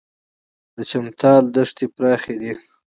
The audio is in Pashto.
د چمتال دښتې پراخې دي